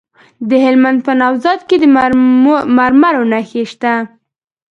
د هلمند په نوزاد کې د مرمرو نښې شته.